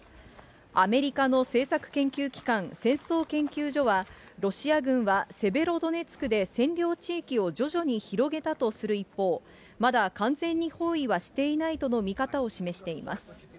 アメリカの政策研究機関、戦争研究所は、ロシア軍はセベロドネツクで占領地域を徐々に広げたとする一方、まだ完全に包囲はしていないとの見方を示しています。